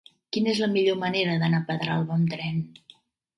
Quina és la millor manera d'anar a Pedralba amb tren?